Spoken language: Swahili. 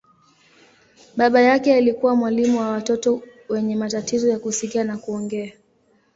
Baba yake alikuwa mwalimu wa watoto wenye matatizo ya kusikia na kuongea.